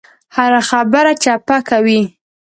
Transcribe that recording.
هره خبره چپه کوي.